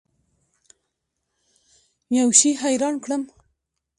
یوه شي حیران کړم.